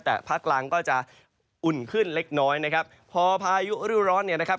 แต่ภาคกลางก็จะอุ่นขึ้นเล็กน้อยนะครับพอพายุฤร้อนเนี่ยนะครับ